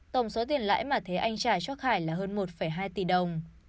tổng số tiền lãi mà thế anh trả cho khải là hơn một hai tỷ đồng